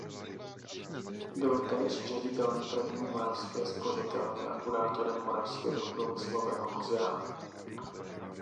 Byl též ředitelem První moravské spořitelny a kurátorem Moravského průmyslového muzea.